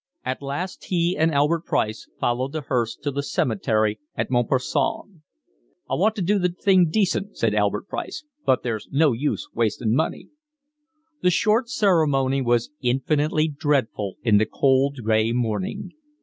At last he and Albert Price followed the hearse to the cemetery at Montparnasse. "I want to do the thing decent," said Albert Price, "but there's no use wasting money." The short ceremony was infinitely dreadful in the cold gray morning.